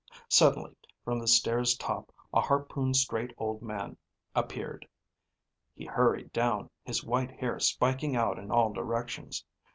Suddenly, from the stair's top, a harpoon straight old man appeared. He hurried down, his white hair spiking out in all directions.